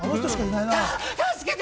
助けて！